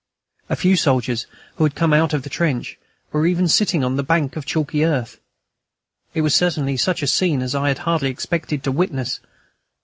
A few soldiers, who had come out of the trench, were even sitting on the bank of chalky earth. It was certainly such a scene as I had hardly expected to witness.